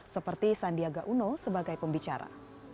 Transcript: seperti sandiaga uno sebagai pembicara